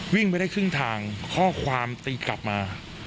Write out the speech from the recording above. วิ่งไปได้ครึ่งทางข้อความตีกลับมา